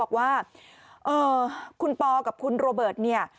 บอกว่าคุณปอกับคุณโรเบิร์ตเนี่ย